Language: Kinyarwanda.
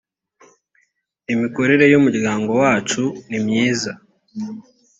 imikorere y’ umuryango wacu nimyiza.